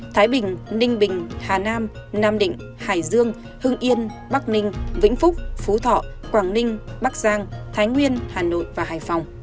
thái bình ninh bình hà nam nam định hải dương hưng yên bắc ninh vĩnh phúc phú thọ quảng ninh bắc giang thái nguyên hà nội và hải phòng